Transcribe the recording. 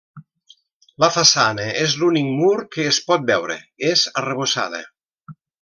La façana és l'únic mur que es pot veure; és arrebossada.